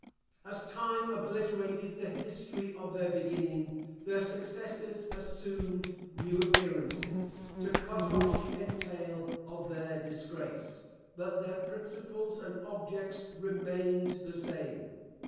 As time obliterated the history of their beginning, their successors assumed new appearances, to cut off the entail of their disgrace, but their principles and objects remained the same.